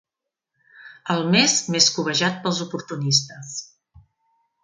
El mes més cobejat pels oportunistes.